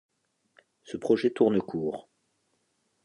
Ce projet tourne court.